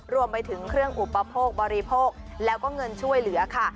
รวมไปถึงเครื่องอุปโภคบริโภคแล้วก็เงินช่วยเหลือค่ะ